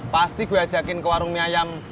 pasti gue ajakin ke warung mie ayam